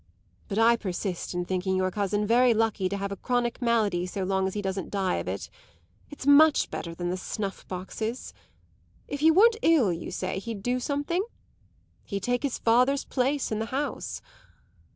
But I persist in thinking your cousin very lucky to have a chronic malady so long as he doesn't die of it. It's much better than the snuffboxes. If he weren't ill, you say, he'd do something? he'd take his father's place in the house.